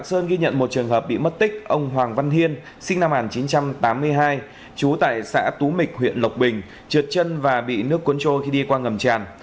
trường sơn ghi nhận một trường hợp bị mất tích ông hoàng văn hiên sinh năm một nghìn chín trăm tám mươi hai trú tại xã tú mịch huyện lộc bình trượt chân và bị nước cuốn trôi khi đi qua ngầm tràn